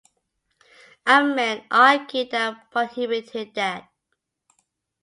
Ammann argued that prohibited that.